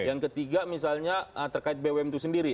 yang ketiga misalnya terkait bum itu sendiri